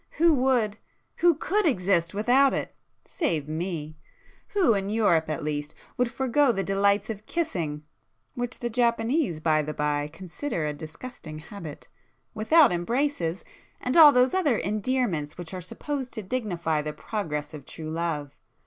—who would, who could exist without it—save me! Who, in Europe at least, would forego the delights of kissing,—(which the Japanese by the by consider a disgusting habit),—without embraces,—and all those other endearments which are supposed to dignify the progress of true love!